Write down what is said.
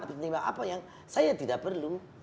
pertimbangan apa yang saya tidak perlu